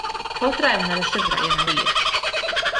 Rho drefn ar y llyfrau yna wir.